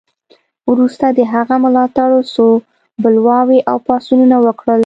وروسته د هغه ملاتړو څو بلواوې او پاڅونونه وکړل.